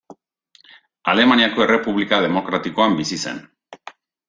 Alemaniako Errepublika Demokratikoan bizi zen.